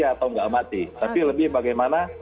atau nggak mati tapi lebih bagaimana